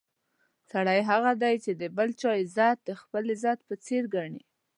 سړی هغه دی چې د بل چا عزت د خپل عزت په څېر ګڼي.